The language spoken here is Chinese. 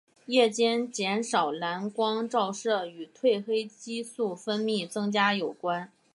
夜间减少蓝光照射与褪黑激素分泌增加有关。